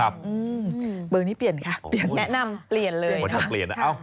เบอร์นี้เปลี่ยนค่ะแนะนำเปลี่ยนเลย